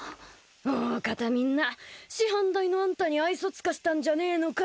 おおかたみんな師範代のあんたに愛想尽かしたんじゃねえのか。